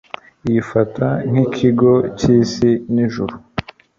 Yifata nk'ikigo cy'isi n'ijuru.